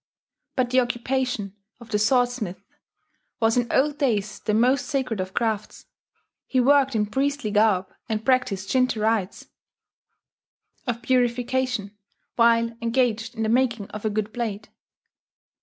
But the occupation of the swordsmith was in old days the most sacred of crafts: he worked in priestly garb, and practised Shinto) rites of purification while engaged in the making of a good blade.